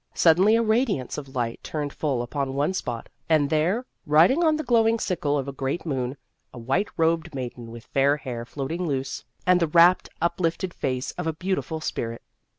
Suddenly a radiance of light turned full upon one spot, and there, riding on the glowing sickle of a great moon, a white robed maiden with fair hair floating loose and the rapt uplifted face of a beautiful spirit.